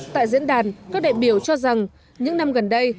tại diễn đàn các đại biểu cho rằng những năm gần đây